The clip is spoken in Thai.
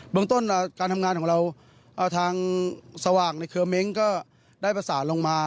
เมืองต้นการทำงานของเราทางสว่างในเครือเม้งก็ได้ประสานลงมา